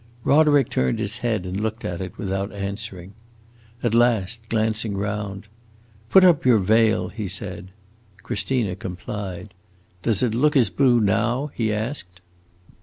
Roderick turned his head and looked at it without answering. At last, glancing round, "Put up your veil!" he said. Christina complied. "Does it look as blue now?" he asked.